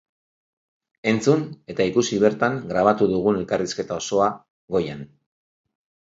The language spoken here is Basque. Entzun eta ikusi bertan grabatu dugun elkarrizketa osoa goian.